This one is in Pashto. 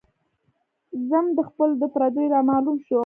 ذم د خپلو د پرديو را معلوم شو